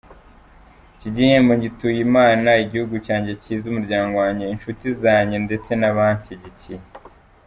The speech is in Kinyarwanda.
Iki gihembo ngituye Imana, igihugu cyanjye cyiza, umuryango wanjye, inshuti zanjye ndetse n’abanshyigikiye.